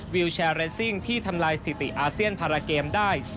วิวแชร์เรสซิ่งที่ทำลายสถิติอาเซียนพาราเกมได้